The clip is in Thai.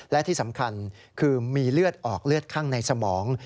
และที่สำคัญคือมีเลือดออกเลือดข้างในสมอง